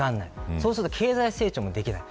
そうすると経済成長もできない。